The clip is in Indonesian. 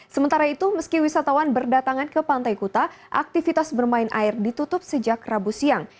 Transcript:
sementara itu meski wisatawan berdatangan ke pantai kuta aktivitas bermain air ditutup sejak rabu siang